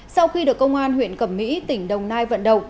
sau khi được công an huyện cẩm mỹ tỉnh đồng nai vận động